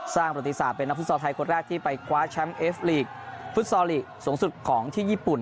ประติศาสตร์เป็นนักฟุตซอลไทยคนแรกที่ไปคว้าแชมป์เอฟลีกฟุตซอลลีกสูงสุดของที่ญี่ปุ่น